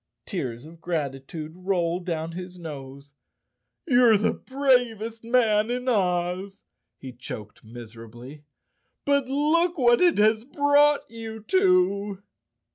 Tears of gratitude rolled down his nose. "You're the bravest man in Oz," he choked miserably, "but look what it has brought you to?"